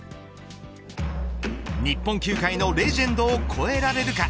日本球界のレジェンドを超えられるか。